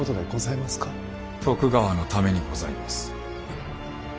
徳川のためにございます。